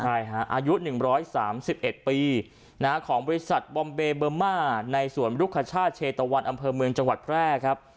ใช่ฮะอายุ๑๓๑ปีของบริษัทบอมเบเบอร์มาในสวนรุคชาติเชตะวันอำเภอเมืองจังหวัดแพร่ครับ